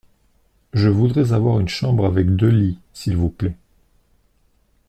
Je voudrais avoir une chambre avec deux lits s’il vous plait.